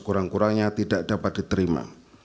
kurang kurangnya tidak dapat diterima